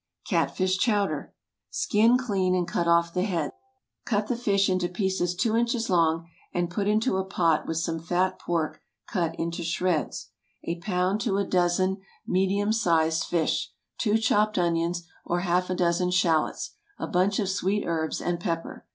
CAT FISH CHOWDER. Skin, clean, and cut off the heads. Cut the fish into pieces two inches long, and put into a pot with some fat pork cut into shreds—a pound to a dozen medium sized fish, two chopped onions, or half a dozen shallots, a bunch of sweet herbs, and pepper.